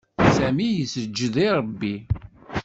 Sami yesǧed i Ṛebbi.